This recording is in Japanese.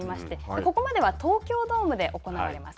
ここまでは東京ドームで行われます。